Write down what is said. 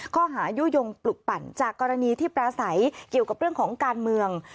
ยุโยงปลุกปั่นจากกรณีที่ปราศัยเกี่ยวกับเรื่องของการเมือง